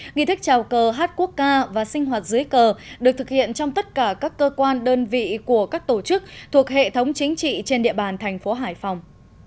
nghị thức trào cờ hát quốc ca và sinh hoạt dưới cờ được thực hiện trong tất cả các cơ quan đơn vị của các tổ chức thuộc hệ thống chính trị trên địa bàn thành phố hải phòng